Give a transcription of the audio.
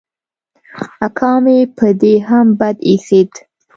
اکا مې په دې هم بد اېسېد.